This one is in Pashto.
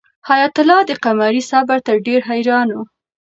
حیات الله د قمرۍ صبر ته ډېر حیران و.